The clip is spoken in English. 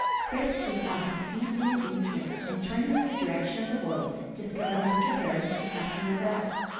Chris was on his feet in an instant, and turning in the direction of the voice, discovered Mr. Harris and Captain Revell.